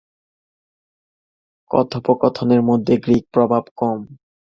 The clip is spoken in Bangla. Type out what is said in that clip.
কথোপকথনের মধ্যে গ্রিক প্রভাব কম।